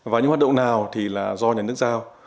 và những hoạt động nào thì là do nhà nước giao